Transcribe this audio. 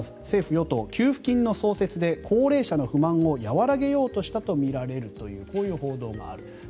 政府・与党、給付金の創設で高齢者の不満を和らげようとしたとみられるとこういう報道がある。